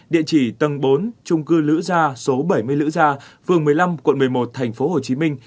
địa chỉ tầng bốn trung cư lữ gia số bảy mươi lữ gia phường một mươi năm quận một mươi một tp hcm